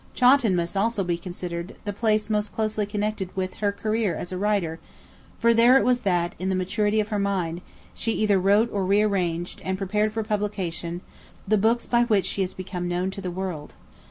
Chawton must also be considered the place most closely connected with her career as a writer; for there it was that, in the maturity of her mind, she either wrote or rearranged, and prepared for publication the books by which she has become known to the world.